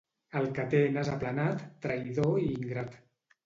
El que té nas aplanat, traïdor i ingrat.